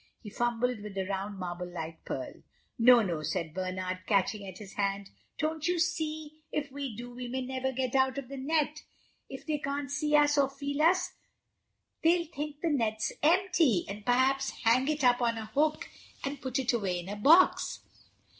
He fumbled with the round marble like pearl. "No, no," said Bernard, catching at his hand, "don't you see? If we do, we may never get out of the net. If they can't see us or feel us they'll think the net's empty, and perhaps hang it up on a hook or put it away in a box."